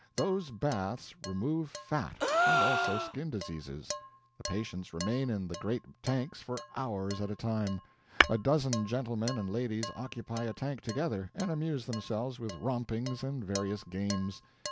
Those baths remove fat, and also skin diseases. The patients remain in the great tanks for hours at a time. A dozen gentlemen and ladies occupy a tank together, and amuse themselves with rompings and various games.